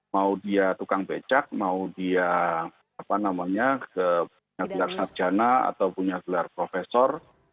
mau dia tukang becak mau dia apa namanya punya gelar sarjana atau punya gelar profesor